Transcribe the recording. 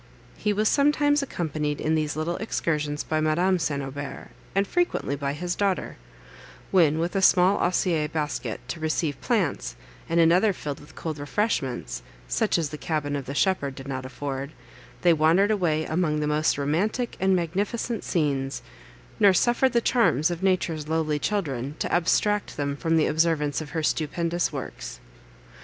He was sometimes accompanied in these little excursions by Madame St. Aubert, and frequently by his daughter; when, with a small osier basket to receive plants, and another filled with cold refreshments, such as the cabin of the shepherd did not afford, they wandered away among the most romantic and magnificent scenes, nor suffered the charms of Nature's lowly children to abstract them from the observance of her stupendous works.